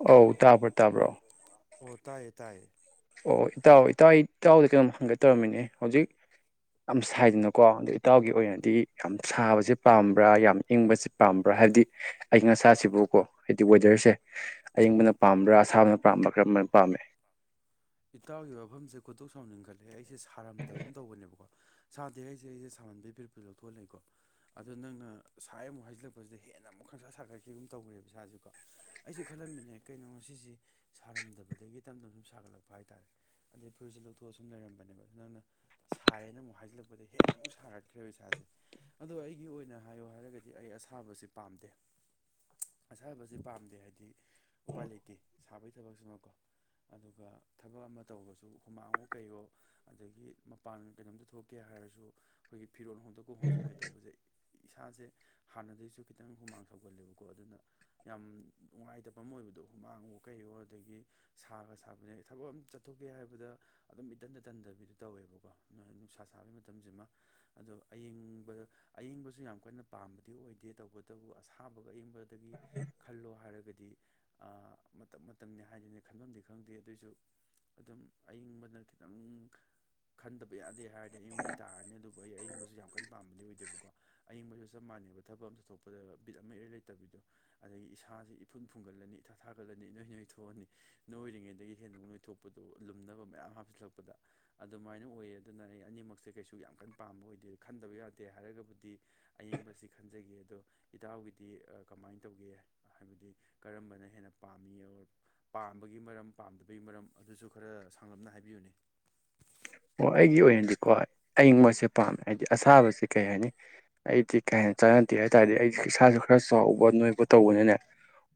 ꯑꯧ ꯇꯥꯕ꯭ꯔꯣ ꯇꯥꯕ꯭ꯔꯣ ꯑꯣ ꯇꯥꯏꯌꯦ ꯇꯥꯏꯌꯦ꯫ ꯑꯣ ꯏꯇꯥꯎ ꯏꯇꯥꯎ ꯑꯩ ꯏꯇꯥꯎꯗ ꯀꯩꯅꯣꯝ ꯍꯪꯒꯦ ꯇꯧꯔꯝꯃꯤꯅꯤ ꯍꯧꯖꯤꯛ ꯌꯥꯝ ꯁꯥꯏꯗꯅ ꯀꯣ ꯑꯗ ꯏꯇꯥꯎꯒꯤ ꯑꯣꯏꯅꯗꯤ ꯌꯥꯝ ꯁꯥꯕꯁꯦ ꯄꯥꯝꯕ꯭ꯔꯥ ꯌꯥꯝ ꯏꯪꯕꯁꯤ ꯄꯥꯝꯕ꯭ꯔꯥ ꯍꯥꯏꯕꯗꯤ ꯑꯏꯪ ꯑꯁꯥꯁꯤꯕꯨꯀꯣ ꯍꯥꯏꯗꯤ ꯋꯦꯗꯔꯁꯦ ꯑꯌꯪꯕꯅ ꯄꯥꯝꯕ꯭ꯔꯥ ꯑꯁꯥꯕꯅ ꯄꯥꯝꯕ꯭ꯔꯥ ꯀꯔꯝꯕꯅ ꯄꯥꯝꯃꯦ ꯏꯇꯥꯎꯒꯤ ꯋꯥꯐꯝꯁꯦ ꯈꯨꯇꯣꯛ ꯁꯥꯎꯅꯤꯡꯈꯠꯂꯦ ꯑꯩꯁꯦ ꯁꯥꯔꯝꯗꯒꯨꯝ ꯇꯧꯕꯅꯦꯕꯀꯣ ꯁꯥꯗꯦ ꯑꯩꯁꯦ ꯑꯩꯁꯦ ꯁꯥꯃꯟꯕꯩ ꯄꯤꯔꯛꯄ ꯂꯧꯊꯣꯛꯍꯂꯀꯣ ꯑꯗꯣ ꯅꯪꯅ ꯁꯥꯏ ꯑꯃꯨꯛ ꯍꯥꯏꯖꯤꯜꯂꯛꯄꯖꯤꯗ ꯍꯦꯟꯅ ꯑꯃꯨꯛ ꯈꯪꯁꯥ ꯁꯥꯒꯠꯈꯤꯒꯨꯝ ꯇꯧꯒ꯭ꯔꯦꯕ ꯏꯁꯥꯖꯤꯀꯣ꯫ ꯑꯩꯁꯨ ꯈꯜꯂꯝꯃꯤꯅꯦ ꯀꯩꯅꯣ ꯁꯤꯁꯤ ꯁꯥꯔꯝꯗꯕꯗꯒꯤ ꯇꯝꯅ ꯁꯨꯝ ꯁꯥꯒꯠꯂꯛꯄ ꯍꯥꯏꯇꯥꯔꯦ ꯑꯗꯩ ꯐꯨꯔꯔꯤꯁꯦ ꯂꯧꯊꯣꯛꯑꯁꯨꯝ ꯂꯩꯔꯝꯕꯅꯦꯕ ꯑꯗꯨ ꯅꯪꯅ ꯁꯥꯏꯌꯦꯅ ꯑꯃꯨꯛ ꯍꯥꯏꯖꯤꯜꯂꯛꯄꯗ ꯍꯦꯟꯅ ꯑꯃꯨꯛ ꯁꯥꯒꯠꯈ꯭ꯔꯦꯕ ꯏꯁꯥꯁꯦ ꯑꯗꯣ ꯑꯩꯒꯤ ꯑꯣꯏꯅ ꯍꯥꯏꯌꯣ ꯍꯥꯏꯔꯒꯗꯤ ꯑꯩ ꯑꯁꯥꯕꯁꯤ ꯄꯥꯝꯗꯦ ꯑꯁꯥꯕꯖꯦ ꯄꯥꯝꯗꯦ ꯍꯥꯏꯗꯤ ꯎꯄꯥꯏ ꯂꯩꯇꯦ ꯁꯥꯕꯒꯤ ꯊꯕꯛꯁꯤꯃꯀꯣ ꯑꯗꯨꯒ ꯊꯕꯛ ꯑꯃ ꯇꯧꯕꯁꯨ ꯍꯨꯃꯥꯡꯑꯣ ꯀꯩꯑꯣ ꯑꯗꯒꯤ ꯃꯄꯥꯟ ꯀꯩꯅꯣꯝꯇ ꯊꯣꯛꯀꯦ ꯍꯥꯏꯔꯁꯨ ꯑꯩꯈꯣꯏꯒꯤ ꯐꯤꯔꯣ ꯍꯟꯗꯣꯛꯀ ꯍꯟꯒ ꯇꯧꯕꯁꯩ ꯏꯁꯥꯁꯦ ꯍꯥꯟꯅꯗꯒꯤꯁꯨ ꯈꯤꯇꯪ ꯍꯨꯃꯥꯡ ꯁꯧꯒꯜꯂꯦꯕꯀꯣ ꯑꯗꯨꯅ ꯌꯥꯝ ꯅꯨꯡꯉꯥꯏꯇꯕ ꯑꯃꯥ ꯑꯣꯏꯕꯗꯣ ꯍꯨꯃꯥꯡꯑꯣ ꯀꯩꯑꯣ ꯑꯗꯒꯤ ꯁꯥꯒ ꯁꯥꯕꯅꯦ ꯊꯕꯛ ꯑꯃ ꯆꯠꯊꯣꯛꯀꯦ ꯍꯥꯏꯕꯗ ꯑꯗꯨꯝ ꯏꯇꯟꯗ ꯇꯟꯊꯕꯤꯗꯨ ꯇꯧꯋꯦꯕꯀꯣ ꯅꯨꯡꯁꯥ ꯁꯥꯕꯒꯤ ꯃꯇꯝꯁꯤꯃ ꯑꯗꯣ ꯑꯌꯪꯕꯗ ꯑꯌꯤꯡꯕꯁꯤ ꯌꯥꯝ ꯀꯟꯅ ꯄꯥꯝꯕꯗꯤ ꯑꯣꯏꯗꯦ ꯇꯧꯕꯇꯕꯨ ꯑꯁꯥꯕꯒ ꯑꯌꯤꯡꯕꯗꯒꯤ ꯈꯜꯂꯣ ꯍꯥꯏꯔꯒꯗꯤ ꯑ ꯃꯇꯝ ꯃꯇꯝꯅꯤ ꯍꯥꯏꯗꯤꯅꯦ ꯈꯟꯕꯝꯗꯤ ꯈꯪꯗꯦ ꯑꯗꯨꯏꯖꯨ ꯑꯗꯨꯝ ꯑꯏꯪꯕꯅ ꯈꯤꯇꯪ ꯈꯟꯗꯕ ꯌꯥꯗꯦ ꯍꯥꯏꯔꯗꯤ ꯑꯌꯪꯕꯗꯤ ꯇꯥꯔꯅꯤ ꯑꯗꯨꯕꯨ ꯑꯩ ꯑꯌꯪꯕꯁꯨ ꯌꯥꯝ ꯀꯟꯅ ꯄꯥꯝꯕꯗꯤ ꯑꯣꯏꯗꯦꯕꯀꯣ ꯑꯌꯪꯕꯁꯨ ꯆꯞ ꯃꯥꯟꯅꯩꯕ ꯊꯕꯛ ꯑꯃꯁꯨ ꯊꯣꯛꯄꯗ ꯕꯤꯠ ꯑꯃ ꯏꯔ ꯂꯩꯇꯕꯤꯗꯣ ꯑꯗꯒꯤ ꯏꯁꯥꯁꯤ ꯏꯐꯨꯟ ꯐꯨꯡꯒꯠꯂꯅꯤ ꯏꯊꯥ ꯊꯥꯒꯠꯂꯅꯤ ꯅꯣꯏ ꯅꯣꯏ ꯊꯣꯛꯑꯅꯤ ꯅꯣꯏꯔꯤꯉꯩꯗꯒꯤ ꯍꯦꯟꯗꯣꯛ ꯊꯣꯛꯄꯗꯣ ꯂꯨꯝꯅꯕ ꯃꯌꯥꯝ ꯍꯥꯞꯆꯤꯜꯂꯛꯄꯗ ꯑꯗꯨꯃꯥꯏꯅ ꯑꯣꯏꯌꯦ ꯑꯗꯨꯅ ꯑꯩ ꯑꯅꯤꯃꯛꯁꯦ ꯀꯩꯁꯨ ꯌꯥꯝ ꯀꯟꯅ ꯄꯥꯝꯕ ꯑꯣꯏꯗꯦ ꯈꯟꯗꯕ ꯌꯥꯗꯦ ꯍꯥꯏꯔꯒꯕꯨꯗꯤ ꯑꯌꯦꯡꯕꯁꯤ ꯈꯟꯖꯒꯦ ꯑꯗꯣ ꯏꯇꯥꯎꯒꯤꯗꯤ ꯀꯃꯥꯏꯅ ꯇꯧꯒꯦ ꯌꯥꯏ ꯍꯥꯏꯕꯗꯤ ꯀꯔꯝꯕꯅ ꯍꯦꯟꯅ ꯄꯥꯝꯃꯤ ꯑꯣꯔ ꯄꯥꯝꯕꯒꯤ ꯃꯔꯝ ꯄꯥꯝꯗꯕꯒꯤ ꯃꯔꯝ ꯑꯗꯨꯁꯨ ꯈꯔ ꯁꯥꯡꯂꯞꯅ ꯍꯥꯏꯕꯤꯌꯨꯅꯦ ꯑꯣ ꯑꯩꯒꯤ ꯑꯣꯏꯅꯗꯤꯀꯣ ꯑꯏꯪꯕꯁꯦ ꯄꯥꯝꯃꯦ ꯍꯥꯏꯕꯗꯤ ꯑꯁꯥꯕꯁꯤ ꯀꯩ ꯍꯥꯏꯅꯤ ꯑꯩꯗꯤ ꯀꯩ ꯍꯦ ꯆꯥꯟꯅꯗꯦ ꯍꯥꯏ ꯇꯥꯔꯗꯤ ꯑꯩꯁꯨ ꯏꯁꯥꯁꯨ ꯈꯔ ꯆꯥꯎꯕ ꯅꯣꯏꯕ ꯇꯧꯕꯅꯤꯅꯦ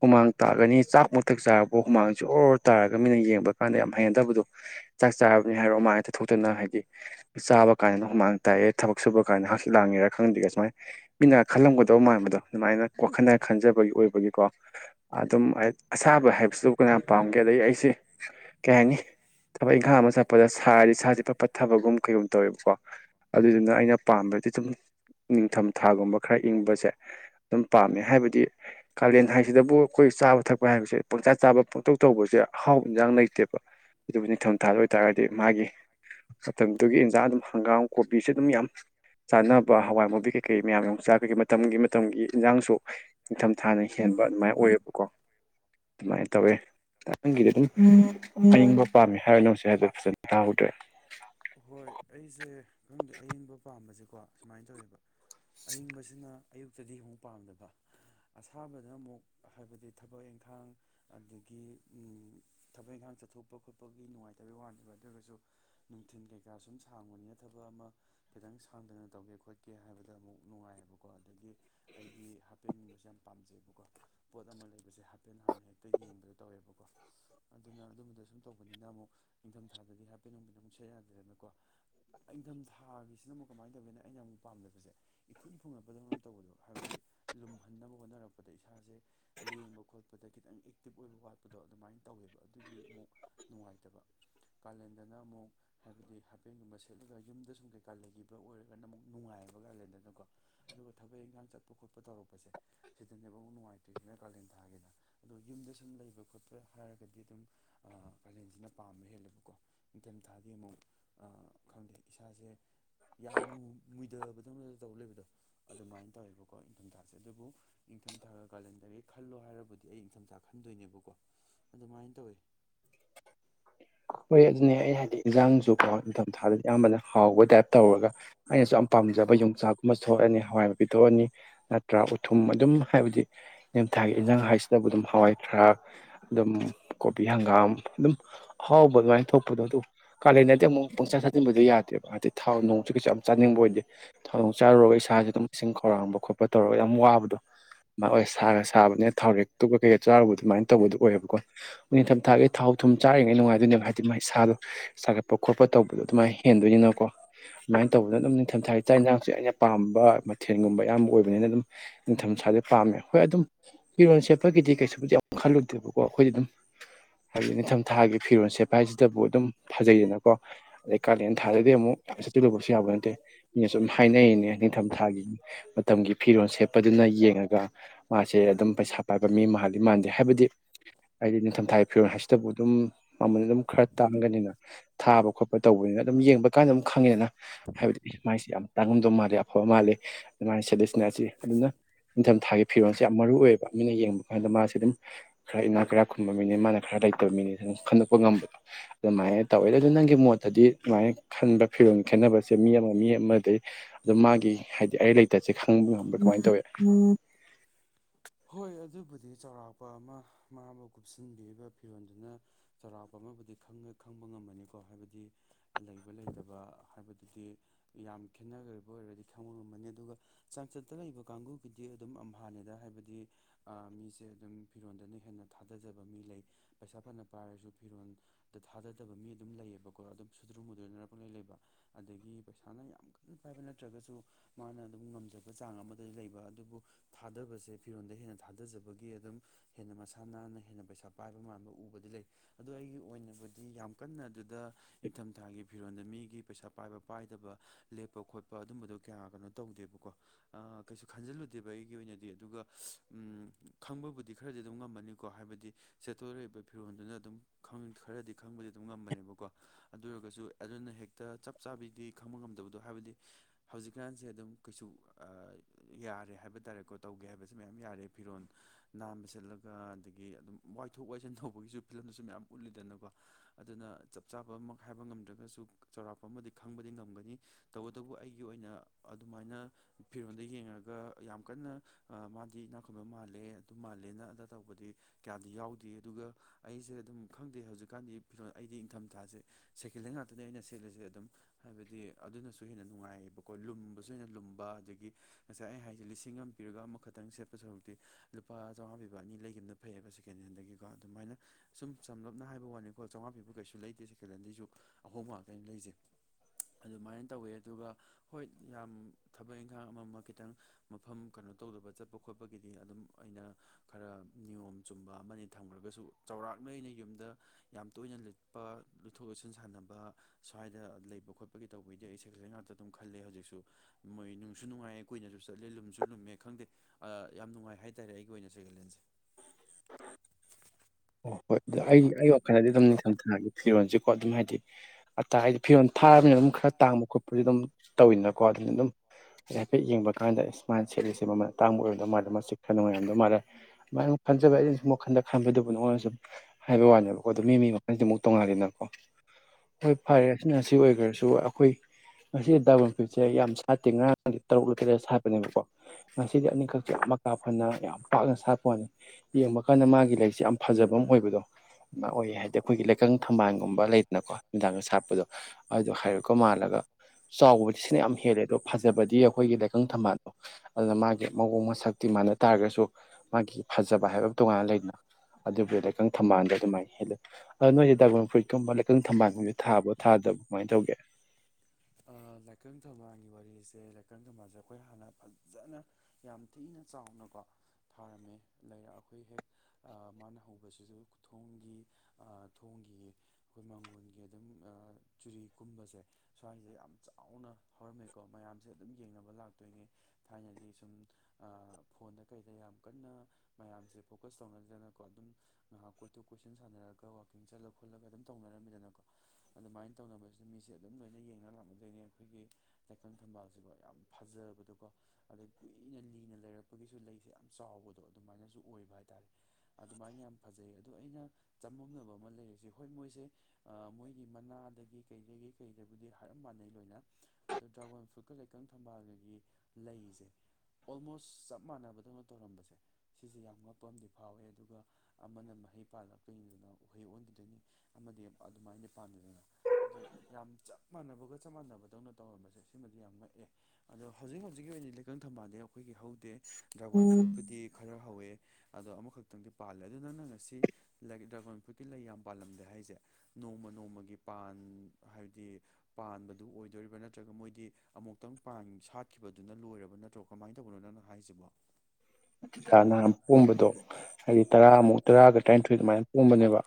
ꯍꯨꯃꯥꯡ ꯇꯥꯛꯒꯅꯤ ꯆꯥꯛ ꯃꯊꯛ ꯆꯥꯔꯛꯄ ꯍꯨꯃꯥꯡꯁꯤ ꯑꯣꯔ ꯑꯣꯔ ꯇꯥꯔꯒ ꯃꯤꯅ ꯌꯦꯡꯕ ꯀꯥꯟꯗ ꯌꯥꯝ ꯍꯩꯩꯅꯟꯊꯕꯗꯣ ꯆꯥꯛ ꯆꯥꯔꯕꯅꯤ ꯍꯥꯏꯔꯣ ꯃ ꯃꯥꯥꯡ ꯍꯦꯛꯇ ꯊꯣꯛꯇꯅ ꯍꯥꯏꯗꯤ ꯆꯥꯕ ꯀꯥꯟꯗꯅ ꯍꯨꯃꯥꯡ ꯇꯥꯏꯑꯦ ꯊꯕꯛ ꯁꯨꯕ ꯀꯥꯟꯗ ꯍꯛꯆꯤ ꯂꯥꯡꯒꯦꯔ ꯈꯪꯗꯦꯒ ꯁꯨꯃꯥꯏꯅ ꯄꯅꯔ ꯈꯜꯂꯝꯒꯗꯧ ꯃꯥꯟꯕꯗꯣ ꯑꯗꯨꯃꯥꯏꯅ ꯋꯥꯈꯜꯅ ꯈꯟꯖꯕꯒꯤ ꯑꯣꯏꯕꯒꯤꯀꯣ ꯑꯗꯨꯝ ꯍꯥꯏ ꯑꯁꯥꯕ ꯍꯥꯏꯕꯁꯤꯁꯨ ꯀꯌꯥꯝ ꯄꯥꯝꯒꯦ ꯑꯗꯒꯤ ꯑꯩꯁꯦ ꯀꯩ ꯍꯥꯏꯅꯤ ꯊꯕꯛ ꯏꯪꯈꯥꯡ ꯑꯃ ꯆꯠꯄꯗ ꯁꯥꯗꯤ ꯁꯥꯁꯤ ꯄꯠ ꯄꯠꯊꯕꯒꯨꯝ ꯀꯩꯒꯨꯝ ꯇꯧꯋꯦꯕꯀꯣ ꯑꯗꯨꯗꯨꯅ ꯑꯩꯅ ꯄꯥꯝꯕꯗꯤ ꯁꯝ ꯅꯤꯡꯊꯝꯊꯥꯒꯨꯝꯕ ꯈꯔ ꯏꯪꯕꯁꯦ ꯑꯗꯨꯝ ꯄꯥꯝꯃꯦ ꯍꯥꯏꯕꯗꯤ ꯀꯥꯂꯦꯟ ꯍꯥꯏꯁꯤꯗꯕꯨ ꯑꯩꯈꯣꯏ ꯆꯥꯕ ꯊꯛꯄ ꯍꯥꯏꯕꯁꯦ ꯄꯪꯆꯥꯠ ꯆꯥꯕ ꯄꯪꯇꯧ ꯇꯧꯕꯁꯦ ꯑꯍꯥꯎ ꯏꯟꯖꯥꯡ ꯂꯩꯇꯦꯕ ꯑꯗꯨꯕꯨ ꯅꯤꯡꯊꯝꯊꯥ ꯑꯣꯏꯇꯥꯔꯒꯗꯤ ꯃꯥꯒꯤ ꯃꯇꯝꯗꯨꯒꯤ ꯌꯦꯟꯖꯥꯡ ꯑꯗꯨꯝ ꯍꯪꯒꯥꯝ ꯀꯣꯕꯤꯁꯦ ꯑꯗꯨꯝ ꯌꯥꯝ ꯆꯥꯅꯕ ꯍꯋꯥꯏ ꯃꯨꯕꯤ ꯀꯩ ꯀꯩ ꯃꯌꯥꯝ ꯌꯥꯝ ꯆꯥꯈꯒꯦ ꯃꯇꯝꯒꯤ ꯃꯇꯝꯒꯤ ꯏꯟꯖꯥꯡꯁꯨ ꯅꯤꯡꯊꯝꯊꯥꯅ ꯍꯦꯟꯕ ꯑꯗꯨꯃꯥꯏꯅ ꯑꯣꯏꯌꯦꯕꯀꯣ ꯑꯗꯨꯃꯥꯏꯅ ꯇꯧꯋꯦꯪꯒꯤꯗꯤ ꯑꯗꯨꯝ ꯑꯕ ꯄꯥꯝꯃꯤ ꯍꯥꯏꯕ ꯅꯨꯡꯁꯦ ꯍꯥꯏꯗ ꯐꯖꯅ ꯇꯥꯍꯧꯗ꯭ꯔꯦ ꯍꯣꯏ ꯑꯩꯁꯦ ꯈꯪꯗꯦ ꯑꯌꯤꯡꯕ ꯄꯥꯝꯕꯁꯦꯀꯣ ꯁꯨꯃꯥꯏꯅ ꯇꯧꯋꯦꯕ ꯑꯏꯤꯡꯕꯁꯤꯅ ꯑꯌꯨꯛꯇꯗꯤ ꯑꯃꯨꯛ ꯄꯥꯝꯗꯕ ꯑꯁꯥꯝꯕꯗꯅ ꯑꯃꯨꯛ ꯍꯥꯏꯕꯗꯤ ꯊꯕꯛ ꯏꯟꯈꯥꯡ ꯑꯗꯒꯤ ꯊꯕꯛ ꯏꯪꯈꯥꯡ ꯆꯠꯊꯣꯛꯄ ꯈꯣꯠꯄꯒꯤ ꯅꯨꯡꯉꯥꯏꯇꯕꯒꯤ ꯋꯥꯗꯕ ꯑꯗꯨ ꯑꯣꯏꯔꯒꯁꯨ ꯅꯨꯡꯊꯤꯟ ꯀꯩꯀꯥ ꯁꯨꯝ ꯁꯥꯡꯕꯅꯤꯅ ꯊꯕꯛ ꯑꯃ ꯈꯤꯇꯪ ꯁꯥꯡꯗꯅ ꯇꯧꯒꯦ ꯈꯣꯠꯀꯦ ꯍꯥꯏꯕꯗ ꯑꯃꯨꯛ ꯅꯨꯡꯉꯥꯏꯌꯦꯕꯀꯣ ꯑꯗꯒꯤ ꯑꯩꯗꯤ ꯍꯥꯄꯦꯟꯅꯤꯡꯕꯁꯦ ꯌꯥꯝ ꯄꯥꯝꯖꯩꯕꯀꯣ ꯄꯣꯠ ꯑꯃ ꯂꯩꯕꯁꯦ ꯍꯥꯏꯐꯦꯠ ꯍꯥꯟꯅ ꯍꯦꯛꯇ ꯌꯦꯡꯕꯗ ꯇꯧꯋꯦꯕꯀꯣ ꯑꯗꯨꯅ ꯑꯗꯨꯝꯕꯗꯣ ꯁꯨꯝ ꯇꯧꯕꯅꯤꯅ ꯑꯃꯨꯛ ꯅꯤꯡꯊꯝꯊꯥꯗꯗꯤ ꯍꯞꯄꯦꯟ ꯅꯨꯡꯕꯤꯟ ꯑꯃꯨꯛ ꯁꯦꯠ ꯌꯥꯗ꯭ꯔꯦꯗꯅꯀꯣ ꯏꯪꯊꯝꯊꯥꯒꯤꯁꯤꯅ ꯑꯃꯨꯛ ꯀꯃꯥꯏꯅ ꯇꯧꯋꯤꯅ ꯑꯩꯅ ꯑꯃꯨꯛ ꯄꯥꯝꯖꯕꯁꯦ ꯏꯐꯨꯟ ꯐꯨꯪꯉꯥ ꯇꯧꯕꯗꯣ ꯍꯥꯏꯕꯗꯤ ꯂꯨꯝꯍꯟꯅꯕ ꯍꯣꯠꯅꯔꯛꯄꯗ ꯏꯁꯥꯁꯦ ꯂꯦꯡꯕ ꯈꯣꯠꯄꯗ ꯈꯤꯇꯪ ꯑꯦꯛꯇꯤꯞ ꯑꯣꯏꯕ ꯋꯥꯠꯄꯗꯣ ꯑꯗꯨꯃꯥꯏꯅ ꯇꯧꯋꯦꯕ ꯑꯗꯨꯒꯤ ꯑꯃꯨꯛ ꯅꯨꯡꯉꯥꯏꯇꯕ ꯀꯥꯂꯦꯟꯗꯅ ꯑꯃꯨꯛ ꯍꯥꯏꯕꯗꯤ ꯍꯥꯄꯦꯟꯒꯨꯝꯕ ꯁꯦꯠꯂꯒ ꯌꯨꯝꯗ ꯁꯨꯝ ꯀꯩꯀꯥ ꯂꯩꯈꯤꯕ ꯑꯣꯏꯔꯒꯅ ꯑꯃꯨꯛ ꯅꯨꯡꯉꯥꯏꯑꯕ ꯀꯥꯂꯦꯟꯗꯅꯀꯣ ꯑꯗꯨꯒ ꯊꯕꯛ ꯏꯪꯈꯥꯡ ꯆꯠꯄ ꯈꯣꯠꯄ ꯇꯧꯔꯛꯄꯁꯦ ꯁꯤꯗꯅꯦꯕ ꯑꯃꯨꯛ ꯅꯨꯡꯉꯥꯏꯇ꯭ꯣꯏꯁꯤꯅ ꯀꯥꯂꯦꯟ ꯊꯥꯒꯤꯅ ꯑꯗꯣ ꯌꯨꯝꯗ ꯁꯨꯝ ꯂꯩꯕ ꯈꯣꯠꯄ ꯍꯥꯏꯔꯒꯗꯤ ꯑꯗꯨꯝ ꯀꯥꯂꯦꯟꯁꯤꯅ ꯄꯥꯝꯕ ꯍꯦꯜꯂꯦꯕꯀꯣ ꯅꯤꯡꯊꯝꯊꯥꯗ ꯗꯤ ꯑꯃꯨꯛ ꯈꯪꯗꯦ ꯏꯁꯥꯁꯦ ꯌꯥꯝ ꯃꯨꯗꯕꯗꯧꯅ ꯇꯧ ꯂꯩꯕꯗꯣ ꯑꯗꯨꯃꯥꯏꯅ ꯇꯧꯋꯦꯕꯀꯣ ꯏꯪꯊꯝꯊꯥꯁꯦ ꯑꯗꯨꯕꯨ ꯅꯤꯡꯊꯝꯊꯥ ꯀꯥꯂꯦꯟꯗꯒꯤ ꯈꯜꯂꯣ ꯍꯥꯏꯔꯕꯨꯗꯤ ꯑꯩ ꯅꯤꯡꯊꯝꯊꯥ ꯈꯟꯗꯣꯏꯅꯦꯕꯀꯣ ꯑꯗꯨꯃꯥꯏꯅ ꯇꯧꯋꯤ ꯍꯣꯏ ꯑꯗꯨꯅꯦ ꯑꯩ ꯍꯥꯏꯗꯤ ꯏꯟꯖꯥꯡꯁꯨꯀꯣ ꯅꯤꯡꯊꯝ ꯊꯥꯗꯗꯤ ꯑꯌꯥꯝꯕꯅ ꯍꯥꯎꯕ ꯇꯥꯏꯞ ꯇꯧꯔꯒ ꯑꯩꯅꯁꯨ ꯄꯥꯝꯖꯕ ꯌꯣꯡꯆꯥꯛꯀꯨꯝꯕ ꯊꯣꯛꯑꯅꯤ ꯍꯋꯥꯏ ꯃꯨꯕꯤ ꯊꯣꯛꯑꯅꯤ ꯅꯠꯇ꯭ꯔꯥ ꯎꯊꯨꯝ ꯑꯗꯨꯝ ꯍꯥꯏꯕꯗꯤ ꯅꯤꯡꯝꯊꯥꯒꯤ ꯏꯟꯖꯥꯡ ꯍꯥꯏꯁꯤꯅꯕꯨ ꯑꯗꯨꯝ ꯍꯋꯥꯏ ꯈꯔꯥꯛ ꯑꯗꯨꯝ ꯀꯣꯕꯤ ꯍꯪꯒꯥꯝ ꯑꯗꯨꯝ ꯑꯍꯥꯎꯕ ꯑꯗꯨꯃꯥꯏꯅ ꯊꯣꯛꯄꯗꯣ ꯑꯗꯨ ꯀꯥꯂꯦꯟꯗꯗꯤ ꯑꯃꯨꯛ ꯄꯣꯡꯆꯆꯥ ꯆꯥꯅꯤꯡꯕꯗꯤ ꯌꯥꯗꯦꯕ ꯍꯥꯏꯗꯗꯤ ꯊꯥꯎ ꯅꯣꯡꯁꯨ ꯀꯩꯁꯨ ꯌꯥꯝ ꯆꯥꯅꯤꯡꯕ ꯑꯣꯏꯗꯦ ꯊꯗꯣꯡ ꯆꯥꯔꯨꯔꯒ ꯏꯁꯥꯥꯁꯦ ꯑꯗꯨꯝ ꯏꯁꯤꯡ ꯈꯧꯔꯥꯡꯕ ꯈꯣꯠꯄ ꯇꯧꯔꯒ ꯌꯥꯝ ꯋꯥꯕꯗꯣ ꯃꯥ ꯍꯣꯏ ꯁꯥꯒ ꯁꯥꯕꯅꯦꯅ ꯊꯥꯎꯔꯦꯛ ꯇꯨꯒ ꯀꯩꯀꯥ ꯆꯥꯔꯨꯕ ꯑꯗꯨꯃꯥꯏꯅ ꯇꯧꯕꯗꯨ ꯑꯣꯏꯌꯦꯕꯀꯣ ꯅꯤꯡꯊꯝ ꯊꯥꯒꯤ ꯊꯥꯎ ꯊꯨꯝ ꯆꯥꯔꯤ ꯉꯣꯏꯕ ꯍꯥꯏꯗꯤ ꯏꯁꯗꯣ ꯁꯥꯒꯠꯄ ꯈꯣꯠꯄ ꯇꯧꯕꯗꯣ ꯑꯗꯨꯃꯥꯏꯅ ꯍꯦꯟꯗꯣꯏꯅꯤꯅꯀꯣ ꯑꯗꯨꯥꯏꯅ ꯇꯧꯕ ꯑꯗꯨꯅ ꯑꯗꯨꯝ ꯅꯤꯡꯊꯝꯊꯥ ꯏ ꯆꯥꯛ ꯏꯟꯖꯥꯡꯁꯨ ꯑꯩꯅ ꯄꯥꯝꯕ ꯃꯊꯦꯜꯒꯨꯝꯕ ꯑꯌꯥꯝꯕ ꯑꯣꯏꯕꯅꯤꯅ ꯑꯗꯨꯝ ꯅꯤꯡꯊꯝꯁꯥꯗꯤ ꯄꯥꯝꯃꯦ ꯍꯣꯏ ꯑꯗꯨꯝ ꯐꯤꯔꯣꯟ ꯁꯦꯠꯄꯒꯤꯗꯤ ꯀꯩꯁꯨꯕꯨꯗꯤ ꯌꯥꯝ ꯈꯜꯂꯨꯗꯦꯕꯀꯣ ꯑꯩꯈꯣꯏꯗꯤ ꯑꯗꯨꯝ ꯍꯥꯏꯗꯤ ꯅꯤꯡꯊꯝ ꯊꯥꯒꯤ ꯐꯤꯔꯣꯜ ꯁꯦꯠꯄ ꯍꯥꯏꯁꯤꯗꯕꯨ ꯑꯗꯨꯝ ꯐꯖꯩꯌꯦꯅꯀꯣ ꯑꯗꯩ ꯀꯥꯂꯦꯟ ꯊꯥꯗꯗꯤ ꯑꯃꯨꯛ ꯆꯠꯇꯂꯨꯕꯁꯨ ꯌꯥꯕ ꯅꯠꯇꯦ ꯃꯤꯅꯁꯨ ꯑꯗꯨꯝ ꯍꯥꯏꯅꯩꯅꯦ ꯊꯥꯒꯤ ꯃꯇꯝꯒꯤ ꯐꯤꯔꯣꯜ ꯁꯦꯠꯄꯗꯨꯅ ꯌꯦꯡꯉꯒ ꯃꯥꯁꯦ ꯑꯗꯨꯝ ꯄꯩꯁꯥ ꯄꯥꯏꯕ ꯃꯤ ꯃꯥꯜꯂꯤ ꯃꯥꯟꯗꯦ ꯍꯥꯏꯕꯗꯤ ꯑꯩꯗꯤ ꯅꯤꯡꯊꯝꯊꯥꯒꯤ ꯐꯤꯔꯣꯜ ꯍꯥꯏꯁꯤꯗꯕꯨ ꯑꯗꯨꯝ ꯃꯃꯜ ꯑꯗꯨꯝ ꯈꯔ ꯇꯥꯡꯒꯅꯤꯅ ꯊꯥꯕ ꯈꯣꯠꯄ ꯇꯧꯕꯅꯤꯅ ꯑꯗꯨꯝ ꯌꯦꯡꯕ ꯀꯥꯟꯗ ꯑꯗꯨꯝ ꯈꯪꯉꯦꯗꯅ ꯍꯥꯏꯕꯗꯤ ꯃꯥꯏꯁꯤ ꯌꯥꯝ ꯇꯥꯡꯉꯝꯗꯕ ꯃꯥꯜꯂꯤꯦ ꯑꯐꯕ ꯃꯥꯜꯂꯤꯦ ꯑꯗꯨ ꯃꯥꯥꯏ ꯁꯗꯤꯁꯅꯥꯁꯤ ꯑꯗꯨꯅ ꯅꯤꯡꯊꯝ ꯊꯥꯒꯤ ꯐꯤꯔꯣꯜꯁꯦ ꯌꯥꯝ ꯃꯔꯨ ꯑꯣꯏꯌꯦꯕ ꯃꯤꯅ ꯌꯦꯡꯕ ꯀꯥꯟꯗ ꯃꯥꯁꯦ ꯑꯗꯨꯝ ꯈꯔ ꯏꯅꯥ ꯈꯔ ꯈꯨꯝꯕ ꯃꯤꯅꯦ ꯃꯥꯅ ꯈꯔ ꯂꯩꯇꯕ ꯃꯤꯅꯦ ꯁꯨꯝ ꯈꯟꯗꯣꯛꯄ ꯉꯝꯕꯗꯣ ꯑꯗꯨꯃꯥꯏꯅ ꯇꯧꯋꯦ ꯑꯗꯨ ꯅꯪꯒꯤ ꯃꯣꯠꯇꯗꯤ ꯑꯗꯨꯃꯥꯏꯅ ꯈꯟꯕ ꯐꯤꯔꯣꯟꯜ ꯈꯦꯠꯅꯕꯁꯦ ꯃꯤ ꯑꯃ ꯃꯤ ꯑꯃꯗꯩ ꯑꯗꯨ ꯃꯥꯒꯤ ꯍꯥꯏꯗꯤ ꯑꯩꯩ ꯂꯩꯇꯁꯦ ꯈꯪꯕ ꯉꯝꯕ꯭ꯔꯥ ꯀꯃꯥꯏꯅ ꯇꯧꯋꯤ [inaudible] ꯍꯣꯏ ꯑꯗꯨꯕꯨꯗꯤ ꯆꯥꯎꯔꯥꯛꯄ ꯑꯃ ꯃꯥꯕꯨ ꯀꯨꯞꯁꯤꯟꯕꯤꯔꯤꯕ ꯐꯤꯔꯣꯟꯗꯨꯅ ꯆꯥꯎꯔꯥꯛꯄ ꯑꯃꯕꯨꯗꯤ ꯈꯪ ꯈꯪꯕ ꯉꯝꯃꯅꯤꯀꯣ ꯍꯥꯏꯕꯗꯤ ꯂꯩꯕ ꯂꯩꯇꯕ ꯍꯥꯏꯕꯗꯨꯗꯤ ꯌꯥꯝ ꯈꯦꯠꯅꯈ꯭ꯔꯤꯕ ꯑꯣꯏꯔꯗꯤ ꯈꯪꯕ ꯉꯝꯃꯅꯤ ꯑꯗꯨꯒ ꯆꯥꯡꯆꯠꯇ ꯂꯩꯕ ꯀꯥꯡꯒꯨꯒꯤꯗꯤ ꯑꯗꯨꯝ ꯑꯝꯍꯥꯅꯤꯗ ꯍꯥꯏꯕꯗꯤ ꯑ ꯃꯤꯁꯦ ꯑꯗꯨꯝ ꯐꯤꯔꯣꯟꯗꯅ ꯍꯦꯟꯅ ꯊꯥꯗꯖꯕ ꯃꯤ ꯂꯩ ꯄꯩꯁꯥ ꯐꯅ ꯄꯥꯏꯔꯁꯨ ꯐꯤꯔꯣꯟ ꯗ ꯊꯥꯗꯗꯕ ꯃꯤ ꯑꯗꯨꯝ ꯂꯩꯌꯦꯕꯀꯣ ꯑꯗꯨꯝ ꯁꯨꯗ꯭ꯔꯨꯝ ꯃꯨꯗ꯭ꯔ‌ꯦꯅꯔ ꯄꯪꯂꯩ ꯂꯩꯕ ꯑꯗꯒꯤ ꯄꯩꯁꯥꯅ ꯌꯥꯝ ꯀꯟꯅ ꯄꯥꯏꯕ ꯅꯠꯇ꯭ꯔꯒꯁꯨ ꯃꯥꯅ ꯑꯗꯨꯝ ꯉꯝꯖꯕ ꯆꯥꯡ ꯑꯃꯗ ꯂꯩꯕ ꯑꯗꯨꯕꯨ ꯊꯥꯗꯕꯁꯦ ꯐꯤꯔꯣꯟꯗ ꯍꯦꯟꯅ ꯊꯥꯗꯖꯕꯒꯤ ꯑꯗꯨꯝ ꯍꯦꯟꯅ ꯃꯁꯥ ꯅꯥꯟꯅ ꯍꯦꯟꯅ ꯄꯩꯁꯥ ꯄꯥꯏꯕ ꯃꯥꯟꯕ ꯎꯕꯗꯤ ꯂꯩ ꯑꯗ‌ꯣ ꯑꯩꯒꯤ ꯑꯣꯏꯅꯕꯨꯗꯤ ꯌꯥꯝ ꯀꯟꯅ ꯑꯗꯨꯗ ꯏꯪꯊꯝꯊꯥꯒꯤ ꯐꯤꯔꯣꯟꯗ ꯃꯤꯒꯤ ꯄꯩꯁꯥ ꯄꯥꯏꯕ ꯄꯥꯏꯗꯕ ꯂꯦꯞꯄ ꯈꯣꯠꯄ ꯑꯗꯨꯝꯕꯗ‌ꯣ ꯀꯌꯥ ꯀꯩꯅꯣ ꯇꯧꯗꯦꯕꯀꯣ ꯑꯥ ꯀꯩꯁꯨ ꯈꯟꯖꯤꯜꯂꯨꯗꯦꯕ ꯑꯩꯒꯤ ꯑꯣꯏꯅꯗꯤ ꯑꯗꯨꯒ ꯎꯝ ꯈꯪꯕꯕꯨꯗꯤ ꯈꯔꯗꯤ ꯑꯗꯨꯝ ꯉꯝꯃꯅꯤ ꯀꯣ ꯍꯥꯏꯕꯗꯤ ꯁꯦꯇ‌ꯣꯔꯛꯏꯕ ꯐꯤꯔꯣꯟꯗꯨꯅ ꯑꯗꯨꯝ ꯈꯔꯗꯤ ꯈꯪꯕꯗꯤ ꯑꯗꯨꯝ ꯉꯝꯕꯅꯦꯕꯀꯣ ꯑꯗꯨ ꯑꯣꯏꯔꯒꯁꯨ ꯑꯗꯨꯅ ꯍꯦꯛꯇ ꯆꯞ ꯆꯥꯕꯤꯗꯤ ꯈꯪꯕ ꯉꯝꯗꯕꯗꯣ ꯍꯥꯏꯕꯗꯤ ꯍꯧꯖꯤꯛꯀꯥꯟꯁꯦ ꯑꯗꯨꯝ ꯀꯩꯁꯨ ꯌꯥꯔꯦ ꯍꯥꯏꯕ ꯇꯥꯔꯦꯀꯣ ꯇꯧꯒꯦ ꯍꯥꯏꯕꯁꯨ ꯃꯌꯥꯝ ꯌꯥꯔꯦ ꯐꯤꯔꯣꯟ ꯅꯥꯟꯕ ꯁ‌ꯦꯠꯂꯒ ꯑꯗꯒꯤ ꯑꯗꯨꯝ ꯋꯥꯏꯊꯣꯛ ꯋꯥꯏꯁꯤꯟ ꯇꯧꯕꯒꯤꯁꯨ ꯐꯤꯂꯝꯗꯁꯨ ꯃꯌꯥꯝ ꯎꯠꯂꯤꯗꯅꯀꯣ ꯑꯗꯨꯅ ꯆꯞ ꯆꯥꯕ ꯑꯃ ꯍꯥꯏꯕ ꯉꯝꯗ꯭ꯔꯒꯁꯨ ꯆꯥꯎꯔꯥꯛꯄ ꯑꯃꯗꯤ ꯈꯪꯕꯗꯤ ꯉꯝꯒꯅꯤ ꯇꯧꯕꯇꯕꯨ ꯑꯩꯒꯤ ꯑꯣꯏꯅ ꯑꯗꯨꯃꯥꯏꯅ ꯐꯤꯔꯣꯜꯗ ꯌꯦꯡꯉꯒ ꯌꯥꯝ ꯀꯟꯅ ꯃꯥꯗꯤ ꯏꯅꯥꯛꯈꯨꯟꯕ ꯃꯥꯜꯂꯦ ꯑꯗꯨ ꯃꯥꯜꯂꯦꯅ ꯑꯗ ꯇꯧꯕꯗꯤ ꯀꯌꯥꯗꯤ ꯌꯥꯎꯗꯦ ꯑꯗꯨꯒ ꯑꯩꯁꯦ ꯑꯗꯨꯝ ꯈꯪꯗꯦ ꯍꯧꯖꯤꯛꯀꯥꯟꯗꯤ ꯐꯤꯔꯣꯜ ꯑꯩꯗꯤ ꯏꯪꯊꯝꯊꯥꯁꯦ ꯁꯦꯀ‌ꯦꯜꯍ‌ꯦꯟ ꯉꯥꯛꯇꯅꯦ ꯑꯩꯅ ꯁꯦꯠꯂꯤꯁꯦ ꯑꯗꯨꯝ ꯍꯥꯏꯕꯗꯤ ꯑꯗꯨꯅꯁꯨ ꯍꯦꯟꯅ ꯅꯨꯡꯉꯥꯏꯌꯦ ꯀꯣ ꯂꯨꯝꯕꯁꯨ ꯑꯩꯅ ꯂꯨꯝꯕ ꯑꯗꯒꯤ ꯉꯁꯥꯏ ꯑꯩ ꯍꯥꯏꯁꯦ ꯂꯤꯁꯤꯡ ꯑꯃ ꯄꯤꯔꯒ ꯑꯃꯈꯛꯇꯪ ꯁꯦꯠꯄ ꯁꯔꯨꯛꯇꯤ ꯂꯨꯄꯥ ꯆꯧꯉꯥ ꯄꯤꯕ ꯑꯅꯤ ꯂꯩꯈꯤꯕꯅ ꯐꯩꯌ‌ꯦꯕ ꯁꯦꯀꯦꯟ ꯍꯦꯟꯗꯒꯤꯀꯣ ꯑꯗꯨꯃꯥꯏꯅ ꯁꯨꯝ ꯁꯝꯂꯞꯅ ꯍꯥꯏꯕ ꯋꯥꯅꯤꯀꯣ ꯆꯧꯉꯥ ꯄꯤꯕ ꯀꯩꯁꯨ ꯂꯩꯗ‌ꯦ ꯁꯦꯀꯦꯟ ꯍꯦꯟꯗꯩꯁꯨ ꯑꯍꯣꯡꯕ ꯉꯥꯛꯇꯅ‌ꯦ ꯂꯩꯖ‌ꯦ ꯑꯗꯨꯃꯥꯏꯅ ꯇꯧꯋꯦ ꯑꯗꯨꯒ ꯍꯣꯏ ꯌꯥꯝ ꯊꯕꯛ ꯏꯪꯈꯥꯡ ꯑꯃꯃ ꯈꯤꯇꯪ ꯃꯐꯝ ꯀꯩꯅꯣ ꯇꯧꯗꯕ ꯆꯠꯄ ꯈꯣꯠꯄꯒꯤꯗꯤ ꯑꯗꯨꯝ ꯑꯩꯅ ꯈꯔ ꯅꯤꯌꯣꯝ ꯆꯨꯝꯕ ꯑꯃꯅꯤ ꯊꯝꯈ꯭ꯔꯒꯁꯨ ꯆꯥꯎꯔꯥꯛꯅ ꯑꯩꯅ ꯌꯨꯝꯗ ꯌꯥꯝ ꯇꯣꯏꯅ ꯂꯤꯠꯄ ꯂꯨꯊꯣꯛ ꯂꯤꯠꯁꯤꯟ ꯁꯥꯟꯅꯕ ꯁ꯭ꯋꯥꯏꯗ ꯂꯩꯕ ꯈꯣꯠꯄꯒꯤ ꯇꯧꯕꯩꯗꯤ ꯑꯩ ꯁ‌ꯦꯀ‌ꯦꯂ‌ꯦꯟ ꯉꯥꯛꯇ ꯑꯗꯨꯝ ꯈꯜꯂꯦ ꯍꯧꯖꯤꯛꯁꯨ ꯃꯣꯏ ꯅꯨꯡꯁꯨ ꯅꯨꯡꯉꯥꯏꯌꯦ ꯀꯨꯏꯅꯁꯨ ꯆꯠꯂꯦ ꯂꯨꯝꯁꯨ ꯂꯨꯝꯃꯦ ꯈꯪꯗꯦ ꯌꯥꯝ ꯅꯨꯡꯉꯥꯏ ꯍꯥꯏꯇꯥꯔꯦ ꯑꯩꯒꯤ ꯑꯣꯏꯅ ꯁ‌ꯦꯀ‌ꯦꯂꯦꯟꯁꯦ ꯑꯣ ꯍꯣꯏ ꯑꯩ ꯑꯩ ꯋꯥꯈꯜꯗꯗꯤ ꯑꯗꯨꯝ ꯅꯤꯡꯊꯝꯊꯥꯒꯤ ꯐꯤꯔꯣꯟꯁꯤꯀꯣ ꯑꯗꯨꯝ ꯍꯥꯏꯗꯤ ꯑꯇꯥꯏꯗꯤ ꯐꯤꯔꯣꯟ ꯊꯥꯕꯅꯤꯅ ꯑꯗꯨꯝ ꯈꯔ ꯇꯥꯡꯕ ꯈꯣꯠ ꯐꯨꯔꯤꯠ ꯑꯝ ꯇꯧꯋꯤꯅꯀꯣ ꯑꯗꯨꯅ ꯑꯗꯨꯝ ꯍꯥꯏꯐꯦꯠ ꯌꯦꯡꯕ ꯀꯥꯟꯗ ꯏꯁ ꯃꯥꯅ ꯁꯦꯠꯂꯤꯁꯦ ꯃꯥꯃꯜ ꯑꯇꯥꯡꯕ ꯑꯣꯏꯔꯝꯗꯧ ꯃꯥꯜꯂ‌ꯦ ꯃ‌ꯣꯏꯆꯤ ꯈꯔ ꯅꯨꯡꯉꯥꯏꯔꯝꯗꯧ ꯃꯥꯜꯂꯦ ꯁꯨꯃꯥꯏꯅ ꯗꯨꯝ ꯈꯟꯖꯕ ꯑꯩꯅ ꯁꯨꯝ ꯋꯥꯈꯟꯗ ꯈꯟꯕꯗꯨꯕꯨ ꯅꯣꯉꯣꯟꯗ ꯁꯨꯝ ꯍꯥꯏꯕ ꯋꯥꯅꯦꯕꯀꯣ ꯑꯗꯨ ꯃꯤ ꯃꯤ ꯋꯥꯈꯜꯁꯤ ꯑꯃꯨꯛ ꯇꯣꯡꯉꯜꯂꯤꯅꯀꯣ ꯍꯣꯏ ꯐꯔꯦ ꯑꯁꯤꯅ ꯑꯁꯤ ꯑꯣꯏꯈ꯭ꯔꯁꯨ ꯑꯩꯈꯣꯏ ꯉꯁꯤ ꯗ꯭ꯔꯥꯒ‌ꯣꯟ ꯐ꯭ꯔꯨꯠꯁꯦ ꯌꯥꯝ ꯁꯥꯠꯇꯦ ꯉꯔꯥꯡꯗꯤ ꯇꯔꯨꯛ ꯂ ꯇꯔꯦꯠ ꯂ ꯁꯥꯠꯄꯅꯦꯕꯀꯣ ꯉꯁꯤꯗꯤ ꯑꯅꯤꯈꯛꯁꯦ ꯃꯀꯥ ꯐꯅ ꯌꯥꯝ ꯄꯥꯛꯅ ꯁꯥꯠ ꯍ‌ꯣꯏ ꯌꯦꯡꯕ ꯀꯥꯟꯗ ꯃꯥꯒꯤ ꯂꯩꯁꯦ ꯌꯥꯝ ꯐꯖꯕ ꯑꯃ ꯑꯣꯏꯕꯗꯣ ꯗꯨꯃꯥꯏ ꯑꯣꯏꯌꯦ ꯍꯥꯏꯗꯤ ꯑꯩꯈꯣꯏꯒꯤ ꯂꯩꯀꯪ ꯊꯝꯕꯥꯜꯒꯨꯝꯕ ꯂꯩꯗꯅꯀꯣ ꯅꯨꯡꯗꯥꯡꯗ ꯁꯥꯠꯄꯗꯣ ꯑꯗꯨꯗꯣ ꯍꯥꯏꯔꯨꯞꯀ ꯃꯥꯜꯂꯒ ꯆꯥꯎꯕꯗꯤ ꯁꯤꯅ ꯌꯥꯝ ꯍꯦꯜꯂꯦ ꯑꯗꯣ ꯐꯖꯕꯗꯤ ꯑꯩꯈꯣꯏꯒꯤ ꯂꯩꯀꯪ ꯊꯝꯕꯥꯜꯗꯣ ꯑꯗꯨꯅ ꯃꯥꯒꯤ ꯃꯑꯣꯡ ꯃꯁꯛꯇꯤ ꯃꯥꯟꯅ ꯇꯥꯔꯒꯁꯨ ꯃꯥꯒꯤ ꯐꯖꯕ ꯍꯥꯏꯕ ꯇꯣꯉꯥꯟꯅ ꯂꯩꯗꯅ ꯑꯗꯨꯕꯨ ꯂꯩꯀꯪ ꯊꯝꯕꯥꯥꯟꯗ ꯑꯗꯨꯃꯥꯏꯅ ꯍ‌ꯦꯠꯂ‌ꯦ ꯑ ꯅꯣꯏꯗꯤ ꯗꯔꯥꯒ‌ꯣꯟ ꯐ꯭ꯔꯨꯠꯀꯨꯝꯕ ꯂꯩꯀꯪ ꯊꯝꯕꯥꯜꯒꯨꯝꯁꯦ ꯊꯥꯕ꯭ꯔ‌ꯣ ꯊꯥꯗꯕ‍꯭ꯔ‌ꯣ ꯀꯃꯥꯏꯅ ꯇꯧꯒꯦ ꯑꯥ ꯂꯥꯏꯀꯪ ꯊꯧꯕꯥꯜꯒꯤ ꯋꯥꯔꯤꯁꯦ ꯂꯥꯏꯀꯪ ꯊꯧꯕꯥꯜꯁꯦ ꯑꯩꯈꯣꯏ ꯍꯥꯟꯅ ꯐꯖꯅ ꯌꯥꯝ ꯊꯤꯅ ꯆꯥꯎꯅꯀꯣ ꯊꯥꯔꯝꯃꯦ ꯂꯩꯔ ꯑꯩꯈꯣꯏ ꯍꯦꯛ ꯑꯩ ꯃꯥꯅ ꯍꯧꯕꯁꯤꯁꯨ ꯊꯣꯡꯒꯤ ꯑ ꯊꯣꯡꯒꯤ ꯑꯩꯈꯣꯏ ꯃꯥꯡꯒꯣꯟꯒꯤ ꯑꯗꯨꯝ ꯑ ꯆꯨꯔꯤ ꯀꯨꯝꯕꯁꯦ ꯁ꯭ꯋꯥꯏꯖ‌ꯦ ꯌꯥꯝ ꯆꯥꯎꯅ ꯍꯧꫪꯝꯃꯦꯀꯣ ꯃꯌꯥꯝꯖ‌ꯦ ꯑꯗꯨꯝ ꯌꯦꯡꯅꯕ ꯂꯥꯛꯇꯣꯏꯅꯦ ꯊꯥꯏꯅꯒꯤ ꯁꯨꯝ ꯑꯩ ꯐꯣꯟꯗ ꯀꯩꯗ ꯌꯥꯝ ꯀꯟꯅ ꯃꯌꯥꯝꯁꯦ ꯐꯣꯀꯁ ꯇꯧꯅꯗꯔ‌ꯦꯅꯀꯣ ꯑꯗꯨꯝ ꯉꯥꯏꯍꯥꯛ ꯀꯣꯏꯇꯣꯛ ꯀꯣꯏꯁꯤꯟ ꯁꯥꯟꯅꯔꯒ ꯋꯥꯀꯤꯡ ꯆꯠꯂ ꯈꯣꯠꯂꯒ ꯑꯗꯨꯝ ꯇꯧꯅꯔꯝꯃꯤꯗꯅꯀꯣ ꯑꯗꯨꯃꯥꯏꯅ ꯇꯧꯅꯕꯁꯤꯅ ꯃꯤꯁꯦ ꯑꯗꯨꯝ ꯂꯩ ꯌꯦꯡꯉ ꯂꯥꯛꯅꯗꯣꯏꯅꯦ ꯑꯩꯈꯣꯏꯒꯤ ꯂꯥꯏꯀꯪ ꯊꯝꯕꯥꯜꯁꯤꯀꯣ ꯌꯥꯝ ꯐꯖꯕꯗ‌ꯣꯀꯣ ꯑꯗꯩ ꯀꯨꯏꯅ ꯂꯤꯅ ꯂꯩꯔꯛꯄꯒꯤꯁꯨ ꯂꯩꯁꯦ ꯌꯥꯝ ꯆꯥꯎꯕꯗꯣ ꯑꯗꯨꯃꯥꯏꯅꯁꯨ ꯑꯣꯏꯕ ꯍꯥꯏ ꯇꯥꯔꯦ ꯑꯗꯨꯃꯥꯏꯅ ꯌꯥꯝ ꯐꯖꯩ ꯑꯗꯣ ꯑꯩꯅ ꯆꯃꯝꯅꯕ ꯑꯃ ꯂꯩꯔꯤꯁꯦ ꯍꯣꯏ ꯃꯣꯏꯁꯦ ꯑ ꯃꯣꯏꯒꯤ ꯃꯅꯥꯗꯒꯤ ꯀꯩꯗꯒꯤ ꯀꯩ ꯁꯤꯗꯕꯨꯗꯤ ꯍꯥꯏꯔꯞ ꯃꯥꯟꯅꯩ ꯂꯣꯏꯅ ꯑꯗꯨꯗꯣ ꯗ꯭ꯔꯥꯒꯣꯟ ꯐ꯭ꯔꯨꯠꯀ ꯂꯩꯀꯪ ꯊꯝꯕꯥꯜꯒꯒꯤ ꯂꯩꯖ‌ꯦ ꯑꯣꯜꯃꯣꯁ ꯆꯞ ꯃꯥꯟꯅꯕꯗꯧꯅ ꯇꯧꯔꯝꯕꯖ‌ꯦ ꯁꯤꯁꯦ ꯌꯥꯝ ꯉꯛꯄ ꯑꯃꯗꯤ ꯐꯥꯎꯋꯦ ꯑꯗꯨꯒ ꯑꯃꯅ ꯃꯍꯩ ꯄꯥꯜꯂꯛꯛꯇꯣꯏꯅꯤꯗꯅ ꯎꯍꯩ ꯑꯣꯟꯈꯤꯗꯣꯏꯅꯤ ꯑꯃꯗꯤ ꯑꯗꯨꯃꯥꯏꯅ ꯄꯥꯝꯃꯤꯗꯅ ꯑꯗ‌ꯣ ꯌꯥꯝ ꯆꯞ ꯃꯥꯟꯅꯕꯒ ꯆꯞ ꯃꯥꯟꯅꯕꯗꯧꯅ ꯇꯧꯔꯝꯕꯁꯦ ꯁꯤꯃꯗꯤ ꯌꯥꯝ ꯉꯛꯑꯦ ꯑꯗꯣ ꯍꯧꯖꯤꯛ ꯍꯧꯖꯤꯛꯀꯤ ꯑꯣꯏꯅꯗꯤ ꯂꯩꯀꯪ ꯊꯝꯕꯥꯜꯗꯤ ꯑꯩꯈꯣꯏꯒꯤ ꯍꯧꯗꯦ ꯗ꯭ꯔꯥꯒꯣꯟ ꯐ꯭ꯔꯨꯠꯄꯨꯗꯤ ꯈꯔ ꯍꯧꯋꯦ ꯑꯗꯣ ꯑꯃꯈꯛꯇꯪꯗꯤ ꯄꯥꯜꯂꯦ ꯑꯗꯨ ꯅꯪꯅ ꯉꯁꯤ ꯗ꯭ꯔꯥꯒꯣꯟ ꯐ꯭ꯔꯨꯏꯠꯀꯤ ꯂꯩ ꯌꯥꯝ ꯄꯥꯜꯂꯝꯗꯦ ꯍꯥꯏꯖ‌‌ꯦ ꯅꯣꯡꯃ ꯅꯣꯡꯃꯒꯤ ꯄꯥꯟ ꯍꯥꯏꯗꯤ ꯄꯥꯟꯕꯗꯨ ꯑꯣꯏꯗꯣꯔꯤꯕ꯭ꯔꯥ ꯅꯠꯇ꯭ꯔꯒ ꯃꯣꯏꯗꯤ ꯑꯃꯨꯛꯇꯪ ꯄꯥꯟ ꯁꯥꯠꯈꯤꯕꯗꯨꯅ ꯂꯣꯏꯔꯕ ꯅꯠꯇ꯭ꯔꯣ ꯀꯃꯥꯏ ꯇꯧꯕꯅꯣ ꯅꯪꯅ ꯍꯥꯏꯁꯤꯕꯣ ꯍꯅ ꯄꯣꯝꯕꯗꯣ ꯍꯥꯏꯗꯤ ꯇꯔꯥꯃꯨꯛ ꯇꯔꯥꯒ ꯇꯔꯥꯏꯟꯊꯣꯏ ꯑꯗꯨꯃꯥꯏ ꯄꯣꯝꯕꯅꯦꯕ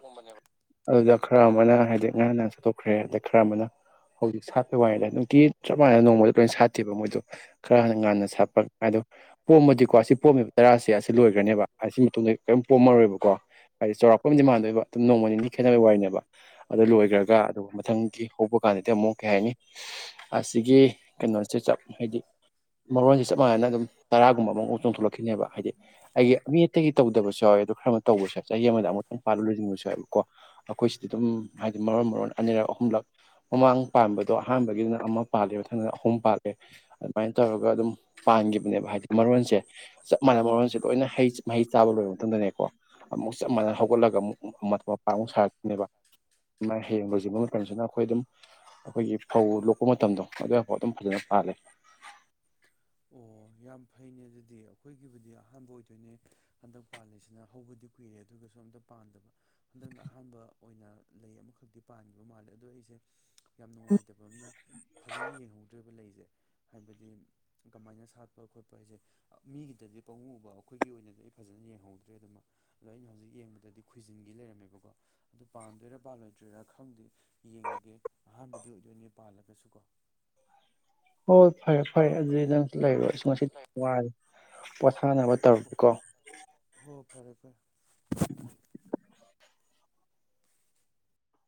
ꯑꯗꯨꯗ ꯈꯔ ꯑꯃꯅ ꯍꯥꯏꯗꯤ ꯉꯔꯥꯡ ꯅꯍꯥꯟ ꯆꯥꯊꯣꯛꯈ꯭ꯔꯦ ꯑꯗ ꯈꯔ ꯑꯃꯅ ꯍꯧꯖꯤꯛ ꯁꯥꯠꯄꯩ ꯋꯥꯅꯤꯗ ꯅꯨꯡꯇꯤ ꯆꯞ ꯃꯥꯟꯅ ꯅꯣꯡꯃꯗ ꯂꯣꯏꯅ ꯁꯥꯠꯇꯦꯕ ꯃꯣꯏꯗꯣ ꯈꯔ ꯍꯥꯟꯅ ꯉꯥꯟꯟꯅ ꯁꯥꯠꯄ ꯑꯗꯣ ꯄꯣꯝꯃꯗꯤꯀꯣ ꯁꯤ ꯄꯣꯝꯃꯦꯕ ꯆꯔꯥꯁꯦ ꯑꯁꯤ ꯂꯣꯏꯒ‍꯭ꯔꯅꯦꯕ ꯑꯁꯤ ꯃꯇꯨꯡꯗ ꯀꯔꯤꯝ ꯄꯣꯝꯃꯔꯣꯏꯕꯀꯣ ꯍꯥꯏꯗꯤ ꯆꯥꯎꯔꯥꯛꯄ ꯑꯃꯗꯤ ꯃꯥꯟꯗꯣꯏꯕ ꯅꯣꯡꯃ ꯅꯤꯅꯤ ꯈꯦꯠꯅꯕꯩ ꯋꯥꯔꯤꯅꯦꯕ ꯑꯗꯨ ꯂꯣꯏꯒ꯭ꯔꯒ ꯑꯗꯨꯒ ꯃꯊꯪꯒꯤ ꯍꯧꯕ ꯀꯥꯟꯗꯗꯤ ꯑꯃꯨꯛ ꯀꯩ ꯍꯥꯏꯅꯤ ꯑꯁꯤꯒꯤ ꯀꯩꯅꯣꯁꯦ ꯆꯞ ꯍꯥꯏꯗꯤ ꯃꯔꯣꯟꯖ‌ꯦ ꯆꯞ ꯃꯥꯟꯅꯅ ꯑꯗꯨꯝ ꯇꯔꯥꯒꯨꯝꯕ ꯑꯃ ꯃꯨꯛ ꯆꯣꯡꯊꯣꯛꯂꯛꯈꯤꯅꯦꯕ ꯍꯥꯏꯗꯤ ꯑꯩꯒꯤ ꯃꯤ ꯑꯇꯩꯒꯤ ꯇꯧꯗꯁꯨ ꯌꯥꯎꯋ‌ꯦ ꯑꯗꯣ ꯈꯔꯅ ꯇꯧꯕꯁꯨ ꯌꯥ ꯆꯍꯤ ꯑꯃꯗ ꯑꯃꯨꯛꯇꯪ ꯄꯥꯂ ꯂꯣꯏꯁꯤꯟꯕꯁꯨ ꯌꯥꯏꯕꯀꯣ ꯑꯩꯈꯣꯏꯁꯤꯗꯤ ꯑꯗꯨꯝ ꯍꯥꯏꯗꯤ ꯃꯔꯣꯟ ꯃꯔꯣꯟ ꯑꯅꯤꯔꯛ ꯑꯍꯨꯝꯂꯛ ꯃꯃꯥꯡ ꯄꯥꯟꯕꯗꯣ ꯑꯍꯥꯟꯕꯒꯤꯗꯨꯅ ꯑꯃ ꯄꯥꯜꯂꯦ ꯃꯊꯪꯅ ꯑꯍꯨꯝ ꯄꯥꯜꯂꯦ ꯑꯗꯨꯃꯥꯏꯅ ꯇꯧꯔꯒ ꯑꯗꯨꯝ ꯄꯥꯟꯒꯤꯕꯅꯦꯕ ꯍꯥꯏꯗꯤ ꯃꯔꯣꯟꯁꯦ ꯆꯞ ꯃꯥꯟꯅꯕ ꯃꯔꯣꯟꯁꯦ ꯂꯣꯏꯅ ꯍꯩ ꯃꯍꯩ ꯆꯥꯕ ꯂꯣꯏꯕ ꯃꯇꯝꯗꯅꯦꯀꯣ ꯑꯃꯨꯛ ꯆꯞ ꯃꯥꯟꯅ ꯍꯧꯒꯠꯂꯒ ꯑꯃꯨꯛ ꯃ ꯃꯄꯥ ꯑꯃꯨꯛ ꯁꯥꯔꯛꯀꯅꯦꯕ ꯃꯥ ꯍꯌ‌ꯦꯡ ꯂ‌ꯣꯏꯖꯤꯟꯕ ꯃꯇꯝꯖꯤꯅ ꯑꯩꯈꯣꯏ ꯑꯗꯨꯝ ꯑꯩꯈꯣꯏꯒꯤ ꯐꯧ ꯂꯣꯛꯄ ꯃꯇꯝꯗꯣ ꯑꯗꯨꯐꯥꯎ ꯑꯗꯨꯝ ꯐꯖꯅ ꯄꯥꯜꯂꯦ ꯑꯣ ꯌꯥꯝ ꯐꯩꯅꯦ ꯑꯗꯨꯗꯤ ꯑꯩꯈꯣꯏꯒꯤꯕꯨꯗꯤ ꯑꯍꯥꯟꯕ ꯑꯣꯏꯗꯣꯏꯅꯦ ꯍꯟꯗꯛ ꯄꯥꯜꯂꯤꯁꯤꯅ ꯍꯧꯕꯗꯤ ꯀꯨꯏꯔꯦ ꯑꯗꯨꯒꯁꯨ ꯑꯝꯇ ꯄꯥꯟꯗꯕ ꯍꯟꯗꯛꯅ ꯑꯍꯥꯟꯕ ꯑꯣꯏꯅ ꯂꯩ ꯑꯃꯈꯛꯇꯤ ꯄꯥꯟꯈꯤꯕ ꯃꯥꯜꯂꯦ ꯑꯗꯣ ꯑꯩꯖ‌ꯦ ꯌꯥꯝ ꯅꯨꯡꯉꯥꯏꯇꯕ ꯑꯃꯅ ꯐꯖꯅ ꯌꯦꯡꯍꯧꯗꯔ‌ꯦꯕ ꯂꯩꯖ‌ꯦ ꯍꯥꯏꯕꯗꯤ ꯀꯃꯥꯏꯅ ꯁꯥꯠꯄ ꯈꯣꯠꯄ ꯍꯥꯏꯁꯦ ꯃꯤꯒꯤꯗꯗꯤ ꯄꯪꯎꯎꯕ ꯑꯩꯈꯣꯏꯒꯤ ꯑꯣꯏꯅꯗꯤ ꯑꯩ ꯐꯖꯅ ꯌꯦꯡꯍꯧꯗ꯭ꯔꯦ ꯑꯗꯨꯃ ꯑꯗꯣ ꯑꯩꯅ ꯍꯧꯖꯤꯛ ꯌꯦꯡꯕꯗꯗꯤ ꯈꯣꯏꯖꯤꯟꯒꯤ ꯂꯩꯔꯝꯃꯦꯕꯀꯣ ꯑꯗꯨ ꯄꯥꯟꯗꯣꯏꯔꯥ ꯄꯥꯜꯂꯣꯏꯗꯣꯏꯔꯥ ꯈꯪꯗꯦ ꯌꯦꯡꯉꯒꯦ ꯑꯍꯥꯟꯕꯗꯤ ꯑꯣꯏꯗꯣꯏꯅ‌ꯦ ꯄꯥꯜꯂꯒꯁꯨ ꯀꯣ ꯍꯣꯏ ꯐꯔꯦ ꯐꯔꯦ ꯑꯗꯨꯗꯤ ꯅꯪ ꯖꯨ ꯂꯩꯔꯨꯔ‌ꯣ ꯑꯩꯁꯨ ꯉꯁꯤꯗꯤ ꯋꯥꯔꯦ ꯄꯣꯊꯥꯅꯕ ꯍꯣ ꯇꯧꯔꯒ‌ꯦꯀꯣ ꯍꯣ ꯐꯔꯦ ꯐꯔꯦ [inaudible]